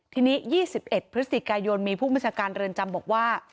ทีนี้๒๑พฤศจิกายนมีผู้บัญชาการเรือนจำบอกว่า